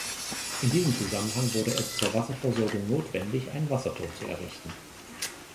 In diesem Zusammenhang wurde es zur Wasserversorgung notwendig, einen Wasserturm zu errichten.